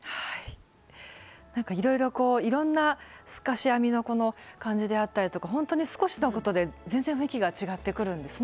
なんかいろいろこういろんな透かし編みの感じであったりとかほんとに少しのことで全然雰囲気が違ってくるんですね。